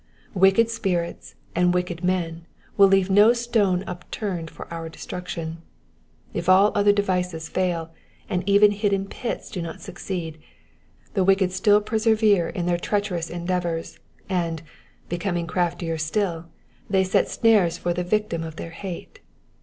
Wicked spirits and wicked men will leave no stone imturned for our destruction. If all other devices fail, and even hidden pits do not succeed, the wicked still persevere in their treacherous endeavours, and, becoming craftier still, they set snares for the victim of their hate.